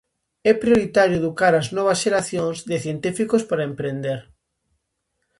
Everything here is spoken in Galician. É prioritario educar as novas xeracións de científicos para emprender.